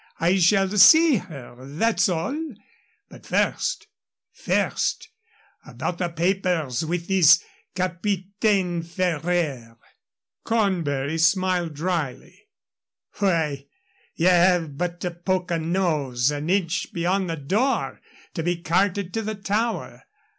I shall see her that's all. But first first, about the papers with this Capitaine Ferraire " Cornbury smiled dryly. "Why, ye have but to poke a nose an inch beyond the door to be carted to the Tower.